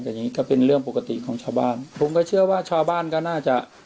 แต่อย่างงี้ก็เป็นเรื่องปกติของชาวบ้านผมก็เชื่อว่าชาวบ้านก็น่าจะ